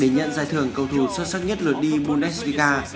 để nhận giải thưởng cầu thù xuất sắc nhất lượt đi bundesliga